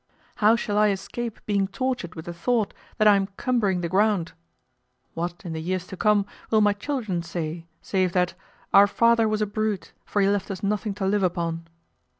How shall I escape being tortured with the thought that I am cumbering the ground? What, in the years to come, will my children say, save that 'our father was a brute, for he left us nothing to live upon?